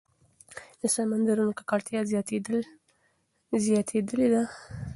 د سمندرونو ککړتیا زیاتېدلې ده.